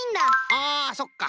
あそっか。